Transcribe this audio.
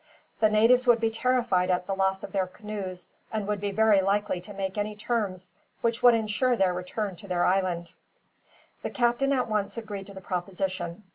The natives would be terrified at the loss of their canoes, and would be likely to make any terms which would ensure their return to their island." The captain at once agreed to the proposition.